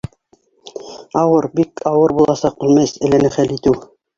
— Ауыр, бик ауыр буласаҡ был мәсьәләне хәл итеү